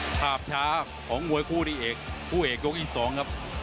ภาพชาของหมวยคู่ที่เอกผู้เอกยกที่สองครับ